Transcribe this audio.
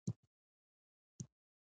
د شاتو مچیو فارمونه ګټور دي